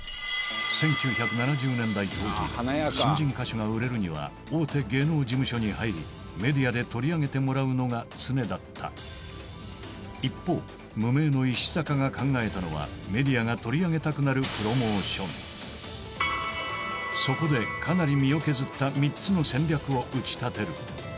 １９７０年代当時新人歌手が売れるには大手芸能事務所に入りメディアで取り上げてもらうのが常だった一方無名の石坂が考えたのはそこでかなり身を削った３つの戦略を打ち立てる